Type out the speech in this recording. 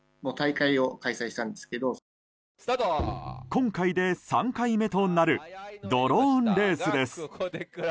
今回で３回目となるドローンレースです。